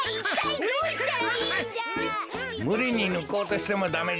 むりにぬこうとしてもダメじゃ。